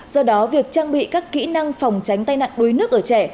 do đó việc trang bị các kỹ năng phòng tránh tai nạn đuối nước ở trẻ